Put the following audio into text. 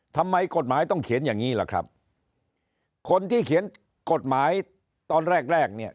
ทำไมกฎหมายต้องเขียนอย่างงี้ล่ะครับคนที่เขียนกฎหมายตอนแรกแรกเนี่ย